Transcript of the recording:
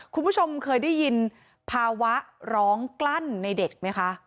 คุณผู้ชมเคยได้ยินภาวะร้องกลั้นในเด็กไหมคะ